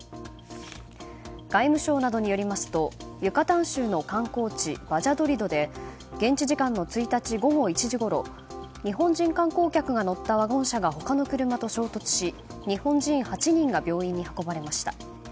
外務省などによりますとユカタン州の観光地バジャドリドで現地時間の１日午後１時ごろ日本人観光客が乗ったワゴン車が他の車と衝突し日本人８人が病院に運ばれました。